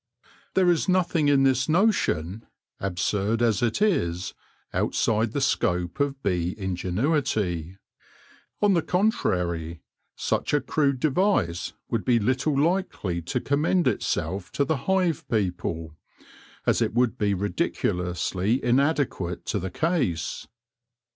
There is nothing in this notion, absurd as it is, outside the scope of bee ingenuity ; on the contrary, such a crude device would be little likely to commend itself to the hive people, as it would be ridiculously inade quate to the case.